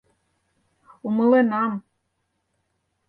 — Умыленам...